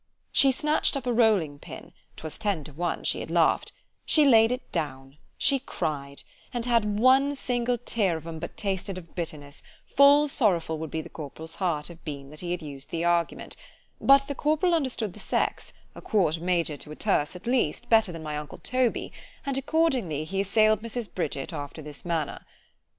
She snatch'd up a rolling pin——'twas ten to one, she had laugh'd—— She laid it down——she cried; and had one single tear of 'em but tasted of bitterness, full sorrowful would the corporal's heart have been that he had used the argument; but the corporal understood the sex, a quart major to a terce at least, better than my uncle Toby, and accordingly he assailed Mrs. Bridget after this manner.